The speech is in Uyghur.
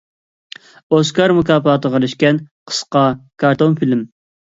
ئوسكار مۇكاپاتىغا ئېرىشكەن قىسقا كارتون فىلىم.